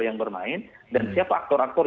yang bermain dan siapa aktor aktor